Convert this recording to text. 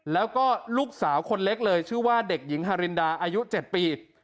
แล้วก็ลูกสาวคนเล็กเลยชื่อว่าเด็กหญิงฮารินดาอายุ๗ปี